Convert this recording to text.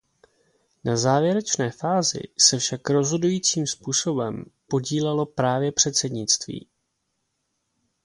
Na závěrečné fázi se však rozhodujícím způsobem podílelo právě předsednictví.